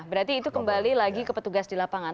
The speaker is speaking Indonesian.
berarti itu kembali lagi ke petugas di lapangan